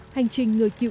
hành trình người cựu hà nội